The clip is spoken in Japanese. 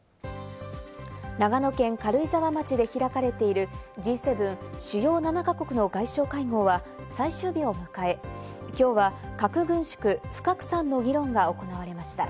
長野県軽井沢町で開かれているＧ７＝主要７か国の外相会合は最終日を迎え、今日は「核軍縮・不拡散」の議論が行われました。